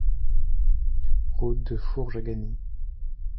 Route de Fourges à Gasny